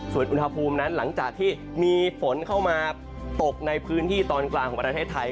ส่วนอุณหภูมินั้นหลังจากที่มีฝนเข้ามาตกในพื้นที่ตอนกลางของประเทศไทย